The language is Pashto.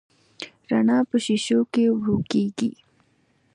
رڼا په شیشو کې ورو کېږي.